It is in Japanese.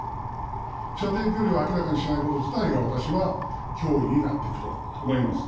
射程距離を明らかにしないこと自体が、私は脅威になっていくと思います。